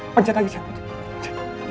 pencet lagi cik